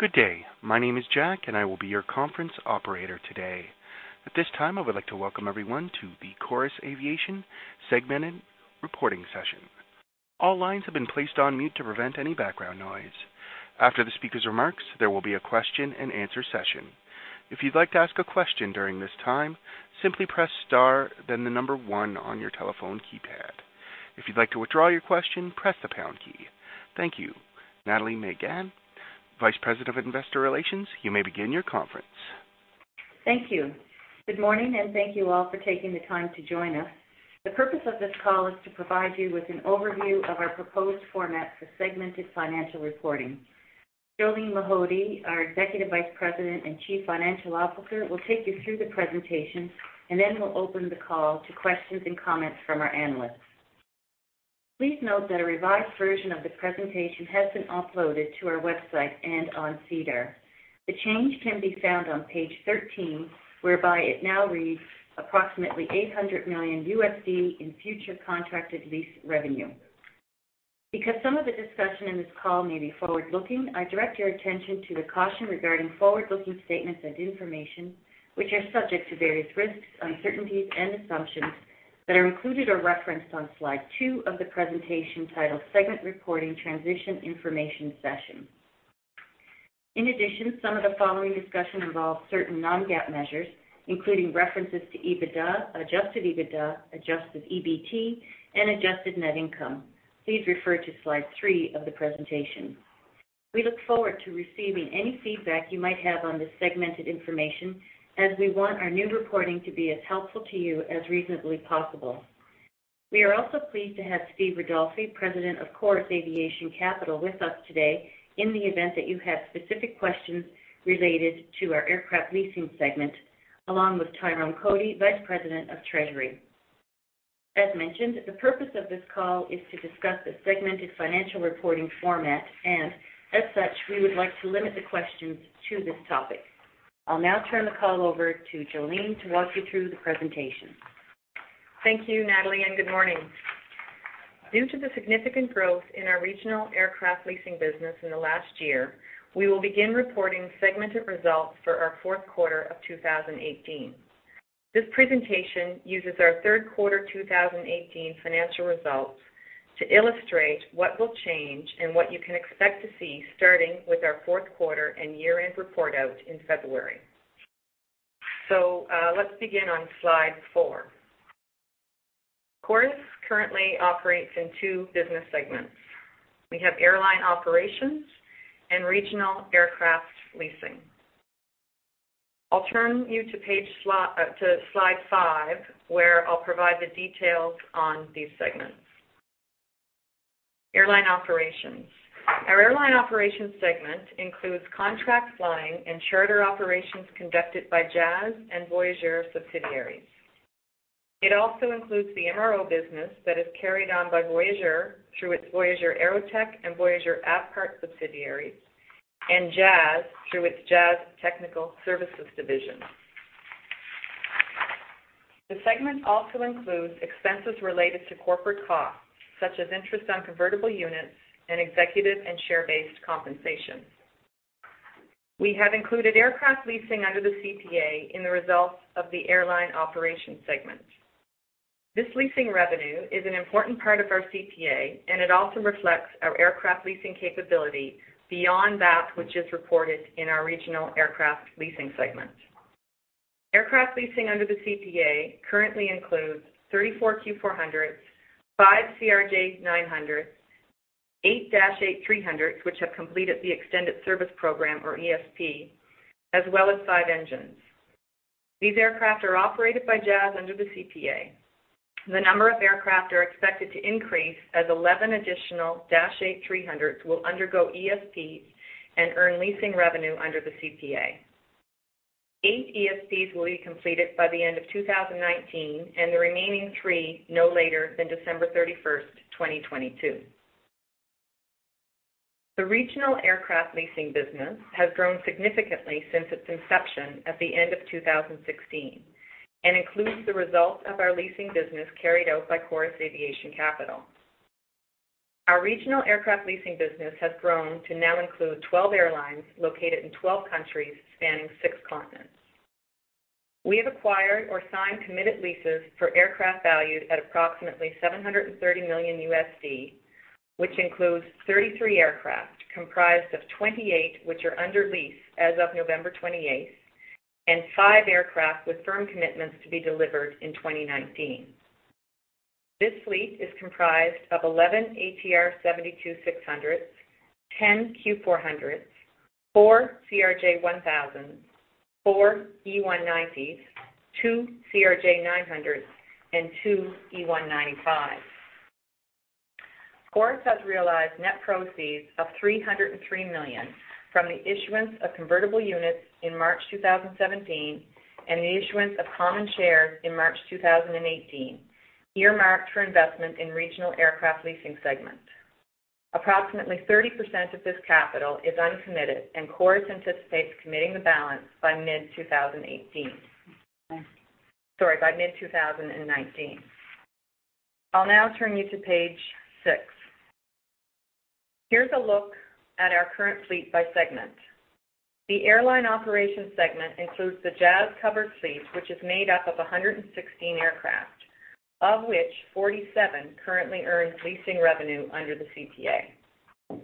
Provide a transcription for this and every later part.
Good day. My name is Jack, and I will be your conference operator today. At this time, I would like to welcome everyone to the Chorus Aviation Segmented Reporting Session. All lines have been placed on mute to prevent any background noise. After the speaker's remarks, there will be a question-and-answer session. If you'd like to ask a question during this time, simply press star then the number one on your telephone keypad. If you'd like to withdraw your question, press the pound key. Thank you. Nathalie Megann, Vice President of Investor Relations, you may begin your conference. Thank you. Good morning, and thank you all for taking the time to join us. The purpose of this call is to provide you with an overview of our proposed format for segmented financial reporting. Jolene Mahody, our Executive Vice President and Chief Financial Officer, will take you through the presentation, and then we'll open the call to questions and comments from our analysts. Please note that a revised version of the presentation has been uploaded to our website and on SEDAR. The change can be found on page 13, whereby it now reads approximately $800 million in future contracted lease revenue. Because some of the discussion in this call may be forward-looking, I direct your attention to the caution regarding forward-looking statements and information, which are subject to various risks, uncertainties, and assumptions that are included or referenced on slide two of the presentation titled Segment Reporting Transition Information Session. In addition, some of the following discussion involves certain non-GAAP measures, including references to EBITDA, adjusted EBITDA, adjusted EBT, and adjusted net income. Please refer to slide three of the presentation. We look forward to receiving any feedback you might have on this segmented information, as we want our new reporting to be as helpful to you as reasonably possible. We are also pleased to have Steve Ridolfi, President of Chorus Aviation Capital, with us today in the event that you have specific questions related to our aircraft leasing segment, along with Tyrone Cotie, Vice President of Treasury. As mentioned, the purpose of this call is to discuss the segmented financial reporting format, and as such, we would like to limit the questions to this topic. I'll now turn the call over to Jolene to walk you through the presentation. Thank you, Nathalie, and good morning. Due to the significant growth in our regional aircraft leasing business in the last year, we will begin reporting segmented results for our fourth quarter of 2018. This presentation uses our third quarter 2018 financial results to illustrate what will change and what you can expect to see, starting with our fourth quarter and year-end report out in February. So, let's begin on slide 4. Chorus currently operates in two business segments. We have airline operations and regional aircraft leasing. I'll turn you to slide 5, where I'll provide the details on these segments. Airline operations. Our airline operations segment includes contract flying and charter operations conducted by Jazz and Voyageur subsidiaries. It also includes the MRO business that is carried on by Voyageur through its Voyageur Aerotech and Voyageur Avparts subsidiaries, and Jazz through its Jazz Technical Services division. The segment also includes expenses related to corporate costs, such as interest on convertible units and executive and share-based compensation. We have included aircraft leasing under the CPA in the results of the airline operations segment. This leasing revenue is an important part of our CPA, and it also reflects our aircraft leasing capability beyond that which is reported in our regional aircraft leasing segment. Aircraft leasing under the CPA currently includes 34 Q400s, five CRJ-900s, eight Dash 8-300s, which have completed the Extended Service Program, or ESP, as well as five engines. These aircraft are operated by Jazz under the CPA. The number of aircraft are expected to increase as 11 additional Dash 8-300s will undergo ESP and earn leasing revenue under the CPA. Eight ESPs will be completed by the end of 2019, and the remaining three no later than December 31, 2022. The regional aircraft leasing business has grown significantly since its inception at the end of 2016 and includes the results of our leasing business carried out by Chorus Aviation Capital. Our regional aircraft leasing business has grown to now include 12 airlines located in 12 countries, spanning 6 continents. We have acquired or signed committed leases for aircraft valued at approximately $730 million, which includes 33 aircraft, comprised of 28, which are under lease as of November 28, and 5 aircraft with firm commitments to be delivered in 2019. This fleet is comprised of 11 ATR 72-600s, 10 Q400s, 4 CRJ1000s, 4 E190s, 2 CRJ900s, and 2 E195s. Chorus has realized net proceeds of 303 million from the issuance of convertible units in March 2017, and the issuance of common shares in March 2018, earmarked for investment in regional aircraft leasing segment. Approximately 30% of this capital is uncommitted, and Chorus anticipates committing the balance by mid 2018, sorry, by mid 2019. I'll now turn you to page six. Here's a look at our current fleet by segment. The airline operations segment includes the Jazz covered fleet, which is made up of 116 aircraft, of which 47 currently earn leasing revenue under the CPA.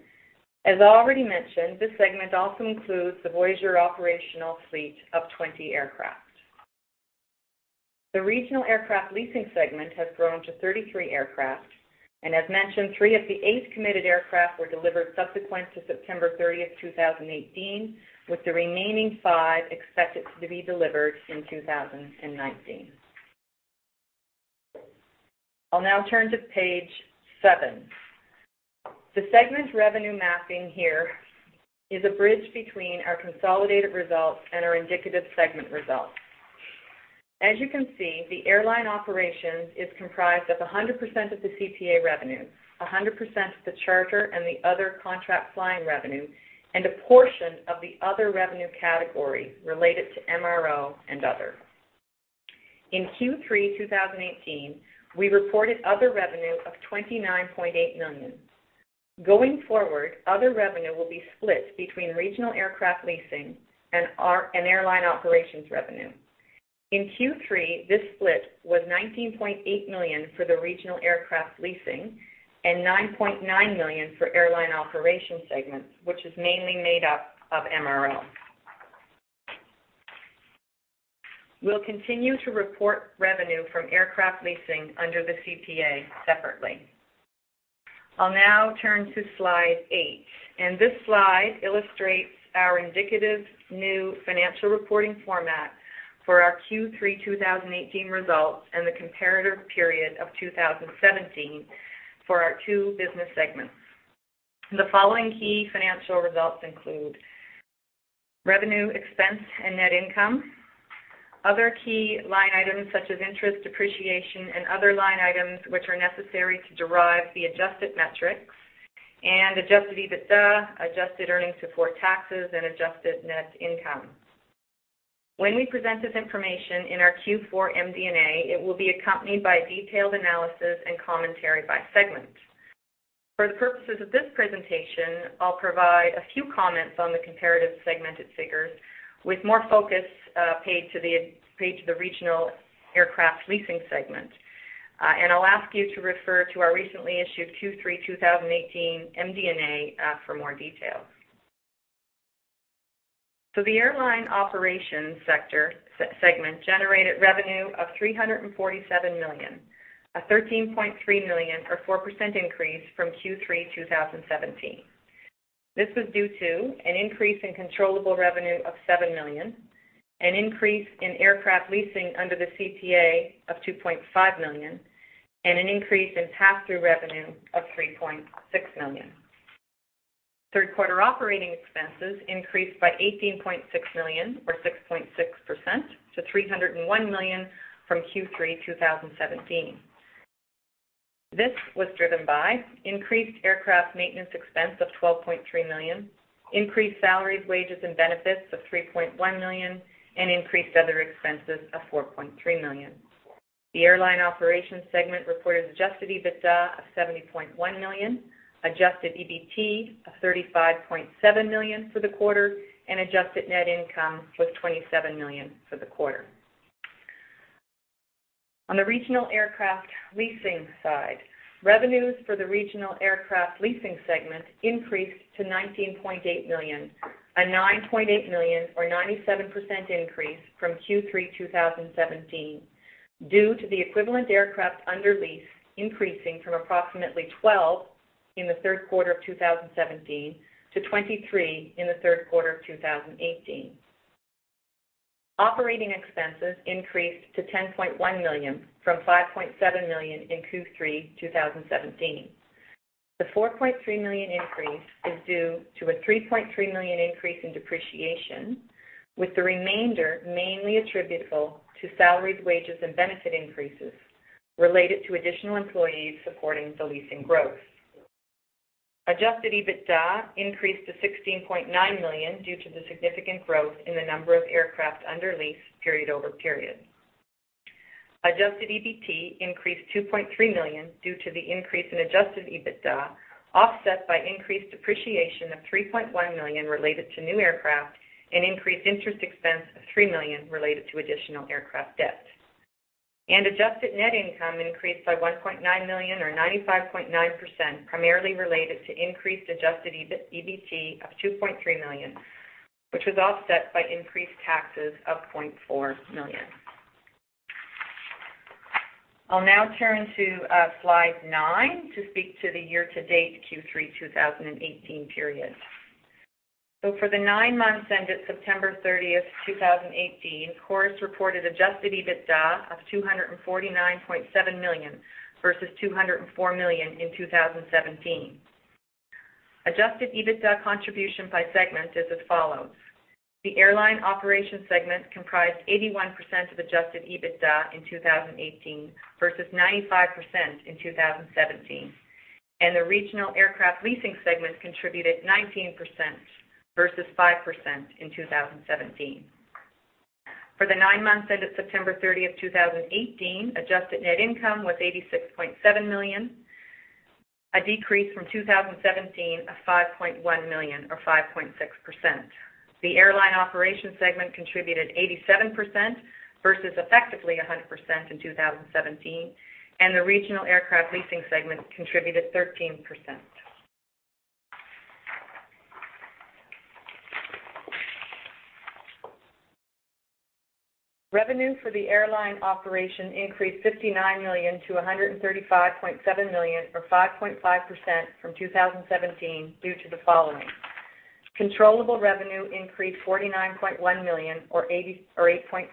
As already mentioned, this segment also includes the Voyageur operational fleet of 20 aircraft. The regional aircraft leasing segment has grown to 33 aircraft, and as mentioned, three of the eight committed aircraft were delivered subsequent to September 30, 2018, with the remaining five expected to be delivered in 2019. I'll now turn to page 7. The segment revenue mapping here is a bridge between our consolidated results and our indicative segment results. As you can see, the airline operations is comprised of 100% of the CPA revenue, 100% of the charter and the other contract flying revenue, and a portion of the other revenue category related to MRO and other. In Q3 2018, we reported other revenue of 29.8 million. Going forward, other revenue will be split between regional aircraft leasing and our and airline operations revenue. In Q3, this split was 19.8 million for the regional aircraft leasing and 9.9 million for airline operations segments, which is mainly made up of MRO. We'll continue to report revenue from aircraft leasing under the CPA separately. I'll now turn to slide 8, and this slide illustrates our indicative new financial reporting format for our Q3 2018 results, and the comparative period of 2017 for our two business segments. The following key financial results include: revenue, expense, and net income. Other key line items, such as interest, depreciation, and other line items, which are necessary to derive the adjusted metrics, and adjusted EBITDA, adjusted earnings before taxes, and adjusted net income. When we present this information in our Q4 MD&A, it will be accompanied by detailed analysis and commentary by segment. For the purposes of this presentation, I'll provide a few comments on the comparative segmented figures, with more focus paid to the regional aircraft leasing segment. I'll ask you to refer to our recently issued Q3 2018 MD&A for more details. The airline operations segment generated revenue of 347 million, a 13.3 million, or 4% increase from Q3 2017. This was due to an increase in controllable revenue of 7 million, an increase in aircraft leasing under the CPA of 2.5 million, and an increase in pass-through revenue of 3.6 million. Third quarter operating expenses increased by 18.6 million, or 6.6%, to 301 million from Q3 2017. This was driven by increased aircraft maintenance expense of 12.3 million, increased salaries, wages, and benefits of 3.1 million, and increased other expenses of 4.3 million. The airline operations segment reported adjusted EBITDA of 70.1 million, adjusted EBT of 35.7 million for the quarter, and adjusted net income was 27 million for the quarter. On the regional aircraft leasing side, revenues for the regional aircraft leasing segment increased to 19.8 million, a 9.8 million, or 97% increase from Q3 2017, due to the equivalent aircraft under lease increasing from approximately 12 in the third quarter of 2017 to 23 in the third quarter of 2018. Operating expenses increased to 10.1 million from 5.7 million in Q3 2017. The 4.3 million increase is due to a 3.3 million increase in depreciation, with the remainder mainly attributable to salaries, wages, and benefit increases related to additional employees supporting the leasing growth. Adjusted EBITDA increased to 16.9 million due to the significant growth in the number of aircraft under lease period-over-period. Adjusted EBT increased 2.3 million due to the increase in adjusted EBITDA, offset by increased depreciation of 3.1 million related to new aircraft and increased interest expense of 3 million related to additional aircraft debt. Adjusted net income increased by 1.9 million, or 95.9%, primarily related to increased adjusted EBT of 2.3 million, which was offset by increased taxes of 0.4 million. I'll now turn to slide 9 to speak to the year-to-date Q3 2018 period. So for the nine months ended September 30, 2018, Chorus reported Adjusted EBITDA of 249.7 million, versus 204 million in 2017. Adjusted EBITDA contribution by segment is as follows: The airline operations segment comprised 81% of Adjusted EBITDA in 2018, versus 95% in 2017, and the regional aircraft leasing segment contributed 19% versus 5% in 2017. For the nine months ended September 30, 2018, Adjusted Net Income was 86.7 million, a decrease from 2017 of 5.1 million, or 5.6%. The airline operations segment contributed 87% versus effectively 100% in 2017, and the regional aircraft leasing segment contributed 13%. Revenue for the airline operation increased 59 million to 135.7 million, or 5.5% from 2017 due to the following: Controllable revenue increased 49.1 million or 88.7%.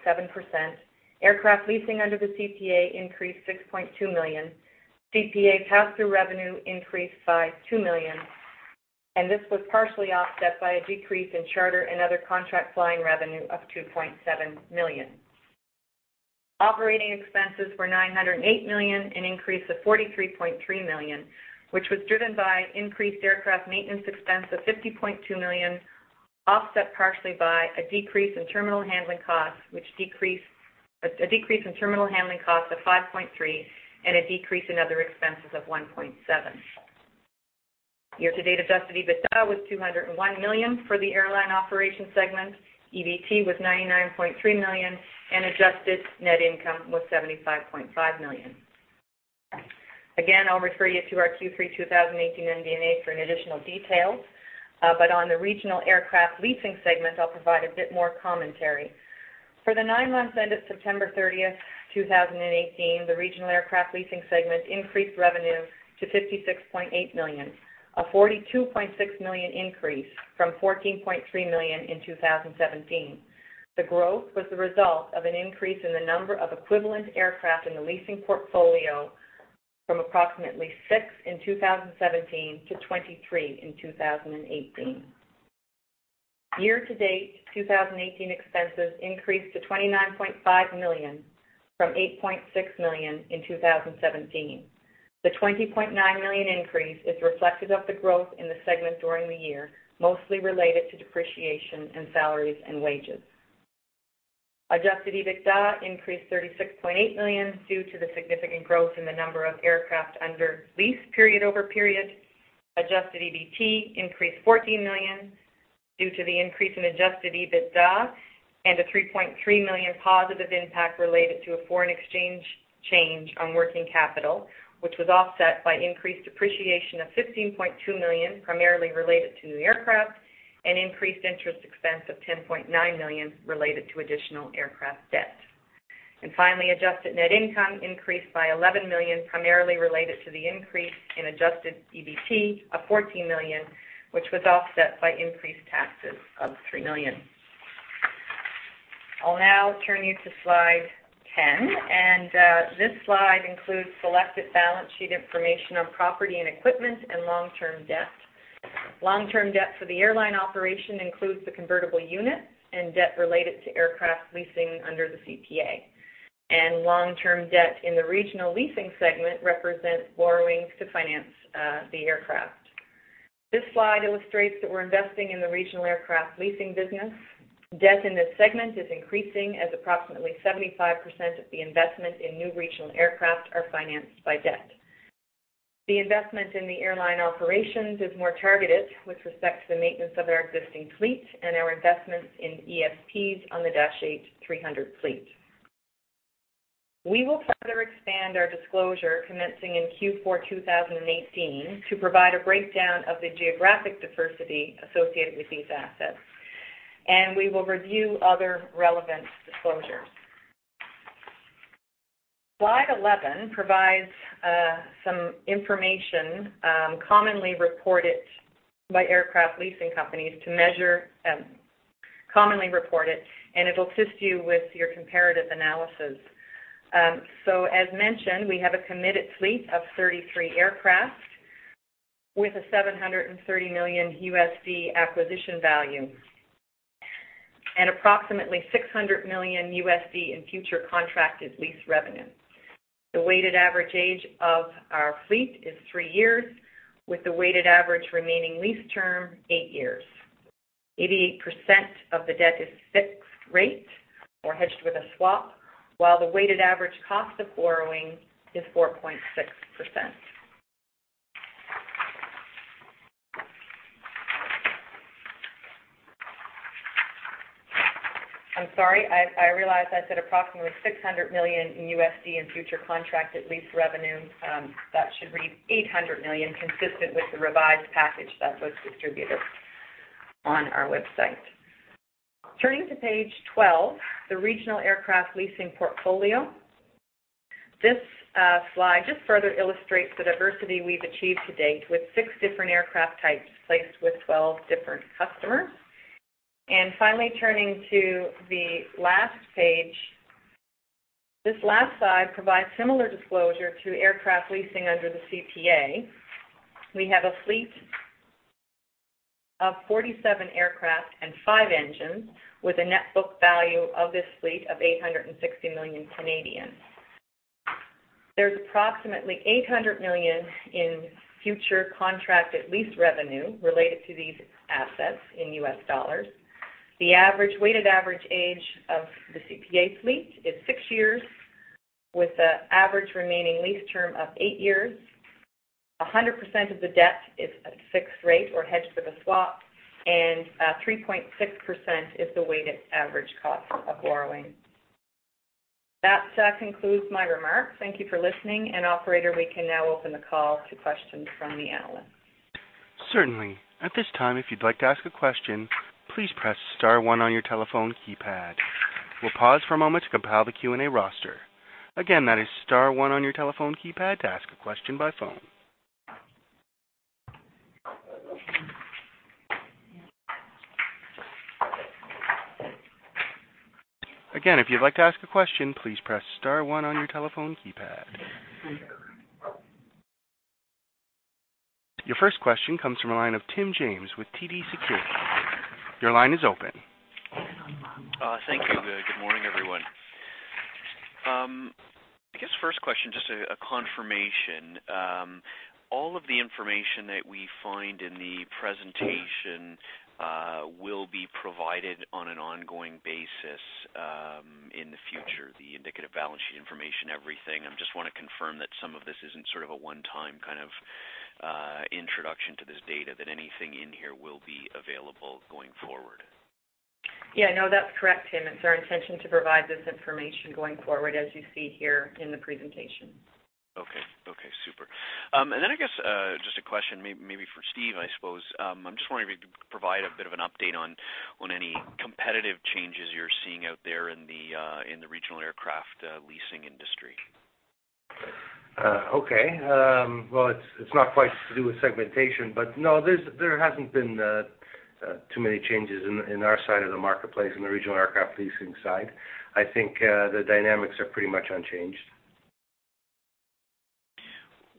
Aircraft leasing under the CPA increased 6.2 million. CPA pass-through revenue increased by 2 million, and this was partially offset by a decrease in charter and other contract flying revenue of 2.7 million. Operating expenses were 908 million, an increase of 43.3 million, which was driven by increased aircraft maintenance expense of 50.2 million, offset partially by a decrease in terminal handling costs, a decrease in terminal handling costs of 5.3 million and a decrease in other expenses of 1.7 million. Year-to-date, adjusted EBITDA was 201 million for the airline operations segment. EBT was 99.3 million, and adjusted net income was 75.5 million. Again, I'll refer you to our Q3-2018 MD&A for any additional details. But on the regional aircraft leasing segment, I'll provide a bit more commentary. For the nine months ended September 30, 2018, the regional aircraft leasing segment increased revenue to 56.8 million, a 42.6 million increase from 14.3 million in 2017. The growth was the result of an increase in the number of equivalent aircraft in the leasing portfolio from approximately 6 in 2017 to 23 in 2018. Year-to-date, 2018 expenses increased to 29.5 million from 8.6 million in 2017. The 20.9 million increase is reflective of the growth in the segment during the year, mostly related to depreciation and salaries and wages. Adjusted EBITDA increased 36.8 million due to the significant growth in the number of aircraft under lease period-over-period. Adjusted EBT increased 14 million due to the increase in adjusted EBITDA and a 3.3 million positive impact related to a foreign exchange change on working capital, which was offset by increased depreciation of 15.2 million, primarily related to new aircraft, and increased interest expense of 10.9 million related to additional aircraft debt. Finally, adjusted net income increased by 11 million, primarily related to the increase in adjusted EBT of 14 million, which was offset by increased taxes of 3 million. I'll now turn you to slide 10, and this slide includes selected balance sheet information on property and equipment and long-term debt. Long-term debt for the airline operation includes the convertible unit and debt related to aircraft leasing under the CPA. Long-term debt in the regional leasing segment represents borrowings to finance the aircraft. This slide illustrates that we're investing in the regional aircraft leasing business. Debt in this segment is increasing, as approximately 75% of the investment in new regional aircraft are financed by debt. The investment in the airline operations is more targeted with respect to the maintenance of our existing fleet and our investments in ESPs on the Dash 8-300 fleet. We will further expand our disclosure, commencing in Q4 2018, to provide a breakdown of the geographic diversity associated with these assets, and we will review other relevant disclosures. Slide 11 provides some information commonly reported by aircraft leasing companies to measure, and it'll assist you with your comparative analysis. So as mentioned, we have a committed fleet of 33 aircraft with a $730 million acquisition value and approximately $600 million in future contracted lease revenue. The weighted average age of our fleet is 3 years, with the weighted average remaining lease term 8 years. 88% of the debt is fixed rate or hedged with a swap, while the weighted average cost of borrowing is 4.6%. I'm sorry, I, I realized I said approximately $600 million in USD in future contracted lease revenue. That should read $800 million, consistent with the revised package that was distributed on our website. Turning to page 12, the regional aircraft leasing portfolio. This slide just further illustrates the diversity we've achieved to date, with 6 different aircraft types placed with 12 different customers. And finally, turning to the last page. This last slide provides similar disclosure to aircraft leasing under the CPA. We have a fleet of 47 aircraft and 5 engines, with a net book value of this fleet of 860 million. There's approximately $800 million in future contracted lease revenue related to these assets in US dollars. The average weighted average age of the CPA fleet is 6 years, with an average remaining lease term of 8 years. 100% of the debt is at fixed rate or hedged with a swap, and 3.6% is the weighted average cost of borrowing. That concludes my remarks. Thank you for listening, and operator, we can now open the call to questions from the analyst. Certainly. At this time, if you'd like to ask a question, please press star one on your telephone keypad. We'll pause for a moment to compile the Q&A roster. Again, that is star one on your telephone keypad to ask a question by phone. Again, if you'd like to ask a question, please press star one on your telephone keypad. Your first question comes from a line of Tim James with TD Securities. Your line is open. Thank you. Good morning, everyone. I guess first question, just a confirmation. All of the information that we find in the presentation will be provided on an ongoing basis in the future, the indicative balance sheet information, everything. I just want to confirm that some of this isn't sort of a one-time kind of introduction to this data, that anything in here will be available going forward. Yeah. No, that's correct, Tim. It's our intention to provide this information going forward, as you see here in the presentation. Okay. Okay, super. And then I guess, just a question maybe for Steve, I suppose. I'm just wondering if you could provide a bit of an update on any competitive changes you're seeing out there in the regional aircraft leasing industry. Okay. Well, it's not quite to do with segmentation, but no, there hasn't been too many changes in our side of the marketplace, in the regional aircraft leasing side. I think the dynamics are pretty much unchanged.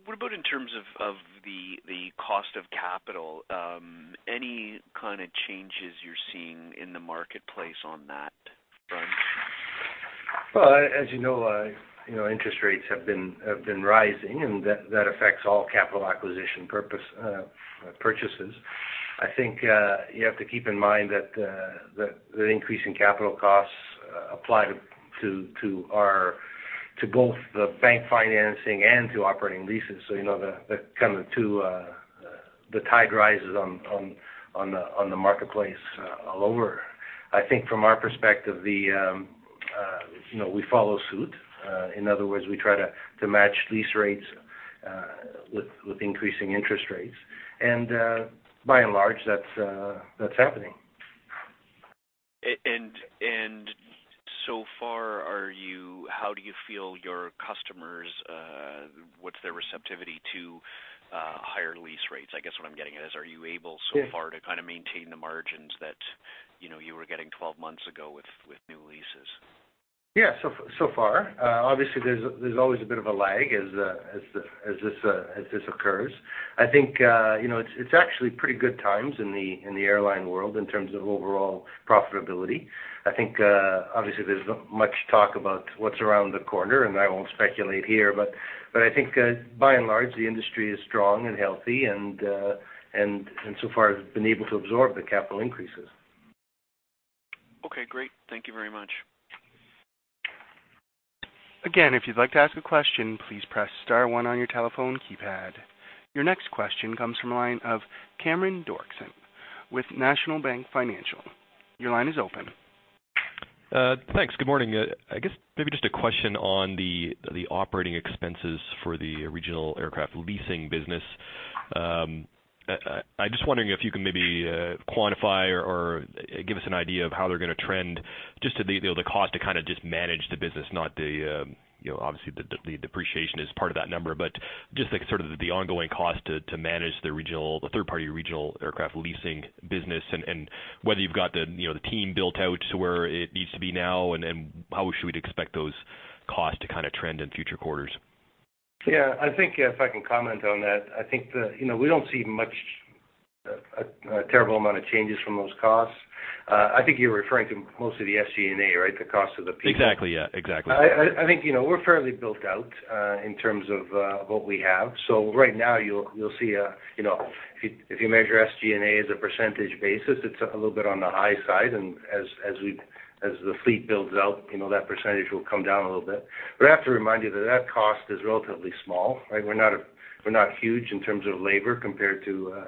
What about in terms of the cost of capital? Any kind of changes you're seeing in the marketplace on that front? Well, as you know, you know, interest rates have been rising, and that affects all capital acquisition purpose purchases. I think you have to keep in mind that the increase in capital costs apply to both the bank financing and to operating leases. So, you know, the kind of the two, the tide rises on the marketplace all over. I think from our perspective, you know, we follow suit. In other words, we try to match lease rates with increasing interest rates, and by and large, that's happening. So far, how do you feel your customers' receptivity to higher lease rates? I guess what I'm getting at is, are you able so far to kind of maintain the margins that, you know, you were getting 12 months ago with new leases? Yeah, so far. Obviously, there's always a bit of a lag as this occurs. I think, you know, it's actually pretty good times in the airline world in terms of overall profitability. I think, obviously, there's not much talk about what's around the corner, and I won't speculate here, but I think, by and large, the industry is strong and healthy, and so far has been able to absorb the capital increases. Okay, great. Thank you very much. Again, if you'd like to ask a question, please press star one on your telephone keypad. Your next question comes from a line of Cameron Doerksen with National Bank Financial. Your line is open. Thanks. Good morning. I guess maybe just a question on the operating expenses for the regional aircraft leasing business. I'm just wondering if you can maybe quantify or give us an idea of how they're going to trend, just to the, you know, the cost to kind of just manage the business, not the, you know, obviously, the depreciation is part of that number, but just like sort of the ongoing cost to manage the regional, the third-party regional aircraft leasing business, and whether you've got the, you know, the team built out to where it needs to be now, and how should we expect those costs to kind of trend in future quarters? Yeah, I think if I can comment on that, I think the... You know, we don't see much, a terrible amount of changes from those costs. I think you're referring to most of the SG&A, right? The cost of the people. Exactly, yeah. Exactly. I think, you know, we're fairly built out in terms of what we have. So right now, you'll see, you know, if you measure SG&A as a percentage basis, it's a little bit on the high side, and as the fleet builds out, you know, that percentage will come down a little bit. But I have to remind you that that cost is relatively small, right? We're not, we're not huge in terms of labor compared to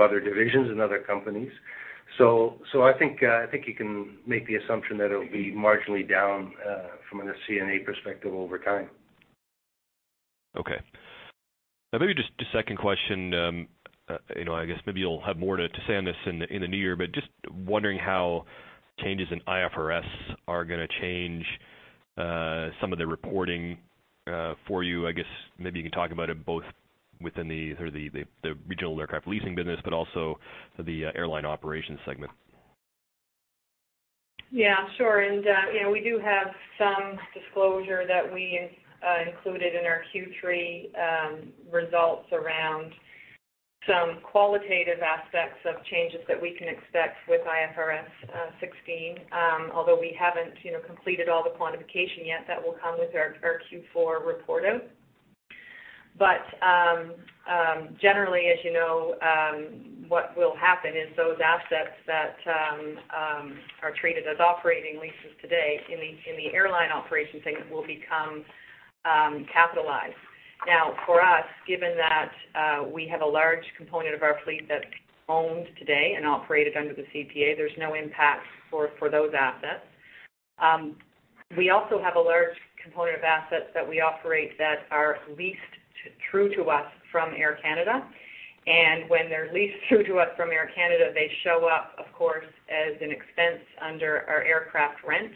other divisions and other companies. So I think you can make the assumption that it'll be marginally down from an SG&A perspective over time. Okay. Now, maybe just a second question. You know, I guess maybe you'll have more to say on this in the new year, but just wondering how changes in IFRS are gonna change some of the reporting for you. I guess maybe you can talk about it both within the sort of the regional aircraft leasing business, but also the airline operations segment. Yeah, sure. And, you know, we do have some disclosure that we included in our Q3 results around some qualitative aspects of changes that we can expect with IFRS 16, although we haven't, you know, completed all the quantification yet, that will come with our Q4 reporting. But, generally, as you know, what will happen is those assets that are treated as operating leases today in the airline operations segment will become capitalized. Now, for us, given that we have a large component of our fleet that's owned today and operated under the CPA, there's no impact for those assets. We also have a large component of assets that we operate that are leased through to us from Air Canada. When they're leased through to us from Air Canada, they show up, of course, as an expense under our aircraft rent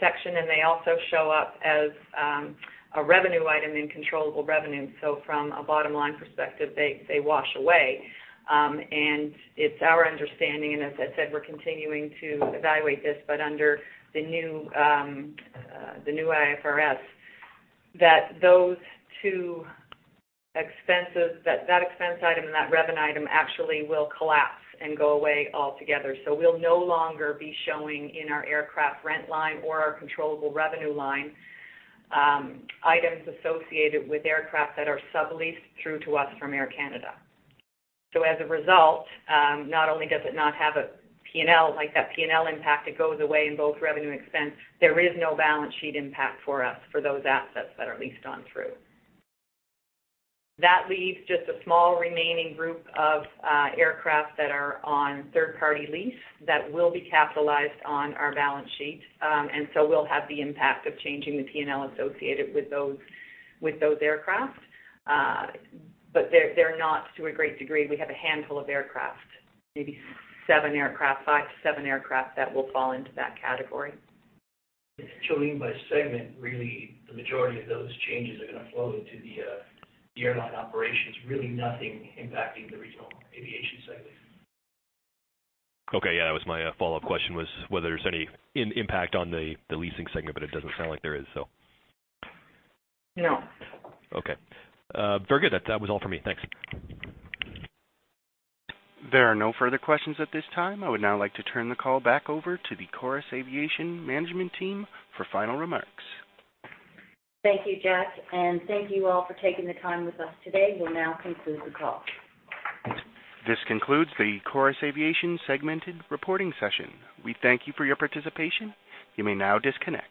section, and they also show up as a revenue item in controllable revenue. So from a bottom line perspective, they wash away. And it's our understanding, and as I said, we're continuing to evaluate this, but under the new IFRS, that those two expenses, that expense item and that revenue item actually will collapse and go away altogether. So we'll no longer be showing in our aircraft rent line or our controllable revenue line items associated with aircraft that are subleased through to us from Air Canada. So as a result, not only does it not have a P&L, like that P&L impact, it goes away in both revenue expense. There is no balance sheet impact for us for those assets that are leased on through. That leaves just a small remaining group of aircraft that are on third-party lease that will be capitalized on our balance sheet. And so we'll have the impact of changing the P&L associated with those, with those aircraft. But they're, they're not to a great degree. We have a handful of aircraft, maybe 7 aircraft, 5-7 aircraft, that will fall into that category. Showings by segment, really, the majority of those changes are going to flow into the airline operations, really nothing impacting the regional aviation segment. Okay, yeah, that was my follow-up question, was whether there's any impact on the leasing segment, but it doesn't sound like there is, so. No. Okay. Very good. That, that was all for me. Thanks. There are no further questions at this time. I would now like to turn the call back over to the Chorus Aviation management team for final remarks. Thank you, Jack, and thank you all for taking the time with us today. We'll now conclude the call. This concludes the Chorus Aviation segmented reporting session. We thank you for your participation. You may now disconnect.